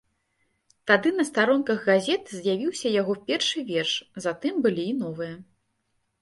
Тады на старонках газеты з'явіўся яго першы верш, затым былі і новыя.